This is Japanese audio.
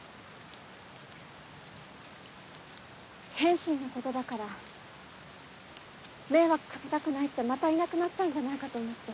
剣心のことだから迷惑掛けたくないってまたいなくなっちゃうんじゃないかと思って。